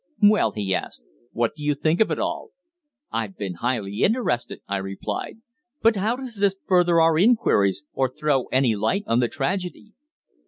"Well," he asked. "What do you think of it all?" "I've been highly interested," I replied. "But how does this further our inquiries, or throw any light on the tragedy?"